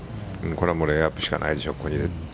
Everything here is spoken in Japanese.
これはレイアップしかないでしょう。